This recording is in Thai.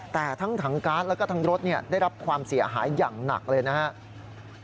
แต่ทั้งถังการ์ดแล้วก็ทั้งรถได้รับความเสียหายอย่างหนักเลยนะครับ